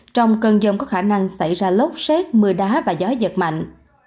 trong cơn rông có khả năng xảy ra lốc xét mưa đá và gió giật mạnh